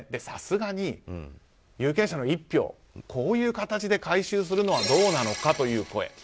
さすがに有権者の１票こういう形で回収するのはどうなのかという声。